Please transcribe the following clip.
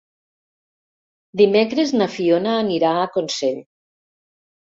Dimecres na Fiona anirà a Consell.